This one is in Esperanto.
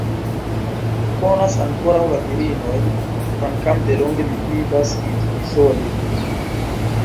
Mi konas ankoraŭ la virinojn, kvankam delonge mi vivas izole.